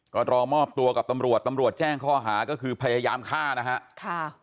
ก็รอมอบตัวกับตำรวจตำรวจแจ้งข้อหาก็คือพยายามฆ่านะฮะ